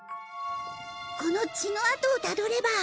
この血の痕をたどれば。